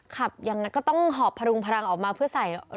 ขับอย่างนั้นก็ต้องหอบพรุงพลังออกมาเพื่อใส่